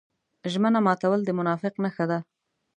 ژمنه ماتول د منافق نښه ده.